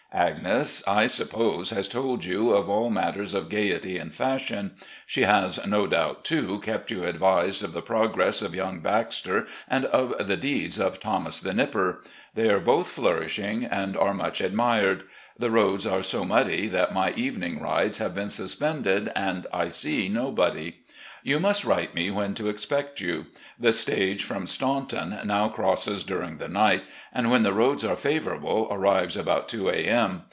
Agnes, I suppose, has told you of all matters of gaiety and fashion. She has, no doubt, too, kept you advised of the progress of yotmg Baxter and of the deeds of ' Thomas, the Nipper.' They are both flourishing, and are much admired. ... The roads are so muddy that my evening rides have been suspended, and I see nobody. ... You must write me when to expect you. The stage from Staunton now crosses during the night, and, when the roads are favourable, arrives about two a. m.